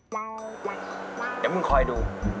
เดี๋ยวมึงคอยดู